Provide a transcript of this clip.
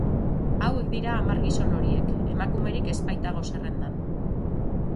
Hauek dira hamar gizon horiek, emakumerik ez baitago zerrendan.